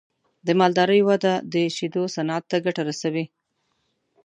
د مالدارۍ وده د شیدو صنعت ته ګټه رسوي.